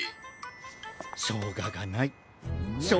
しょうががないしょうがない。